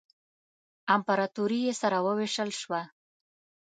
امپراطوري یې سره ووېشل شوه.